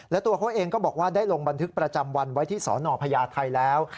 และตัวเขาเองก็บอกว่าได้ลงบันทึกประจำวันไว้ที่สนพญาไทยแล้ว